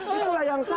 itulah yang salah